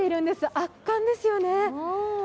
圧巻ですよね。